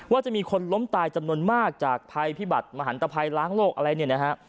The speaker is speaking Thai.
ว่าจะมีคนล้มตายจำนวนมากจากภัยพิบัติมหันตภัยล้างโรคอะไรเนี่ยนะฮะ